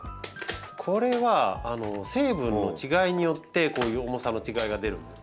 これは成分の違いによってこういう重さの違いが出るんですね。